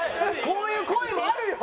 こういう恋もあるよ。